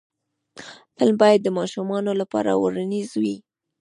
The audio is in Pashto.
فلم باید د ماشومانو لپاره روزنیز وي